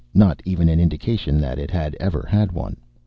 Not even an indication that it had ever had one.